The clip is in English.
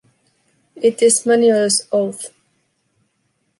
It is Manuel’s oath.